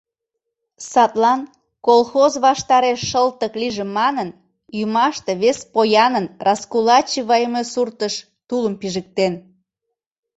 Садлан колхоз ваштареш шылтык лийже манын, ӱмаште вес поянын раскулачивайыме суртыш тулым пижыктен.